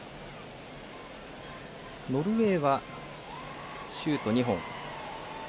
ノルウェーはシュート２本。